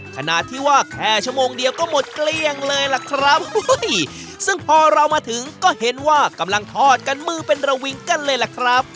ขนาดที่ว่าแค่ชั่วโมงเดียวก็หมดเกลี้ยงเลยล่ะครับซึ่งพอเรามาถึงก็เห็นว่ากำลังทอดกันมือเป็นระวิงกันเลยล่ะครับ